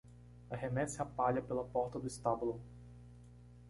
Arremesse a palha pela porta do estábulo.